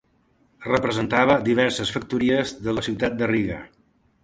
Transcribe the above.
Representava diverses factories de la ciutat de Riga.